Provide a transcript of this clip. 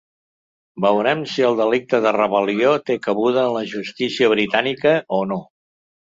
Veurem si el delicte de rebel·lió té cabuda en la justícia britànica o no.